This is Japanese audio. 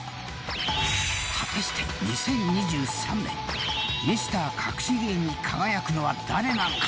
［果たして２０２３年ミスターかくし芸に輝くのは誰なのか？